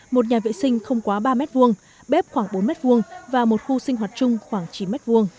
một nhà vệ sinh không quá ba m hai bếp khoảng bốn m hai và một khu sinh hoạt chung khoảng chín m hai